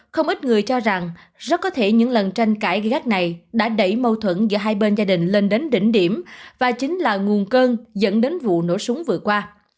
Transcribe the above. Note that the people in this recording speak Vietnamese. không ít người cho rằng rất có thể những lần tranh cãi gai gắt này đã đẩy mâu thuẫn giữa hai bên gia đình lên đến đỉnh điểm và chính là nguồn cơn dẫn đến vụ nổ súng vừa qua